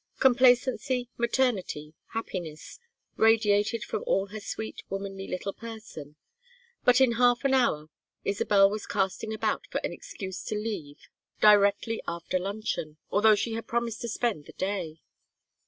Complacency, maternity, happiness, radiated from all her sweet womanly little person, but in half an hour Isabel was casting about for an excuse to leave directly after luncheon, although she had promised to spend the day.